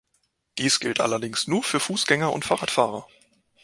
Dies gilt allerdings nur für Fußgänger und Fahrradfahrer.